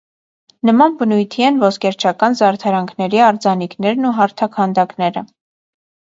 Նման բնույթի են ոսկերչական զարդարանքների արձանիկներն ու հարթաքանդակները։